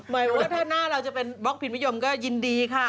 ถ้าหน้าถูกเป็นบ็อกท์พิงงกินพิมพี่ยมก็ยินดีค่ะ